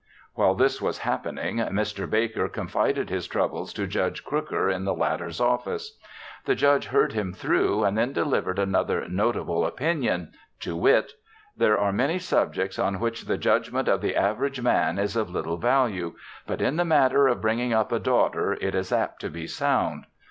While this was happening, Mr. Baker confided his troubles to Judge Crooker in the latter's office. The Judge heard him through and then delivered another notable opinion, to wit: "There are many subjects on which the judgment of the average man is of little value, but in the matter of bringing up a daughter it is apt to be sound.